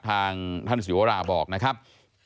ทางท่านศิวราบอกนะครับ